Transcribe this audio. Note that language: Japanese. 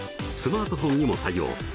スマートフォンにも対応。